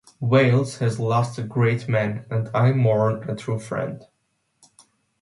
Wales has lost a great man, and I mourn a true friend.